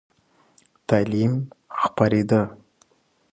تعلیم خپرېده.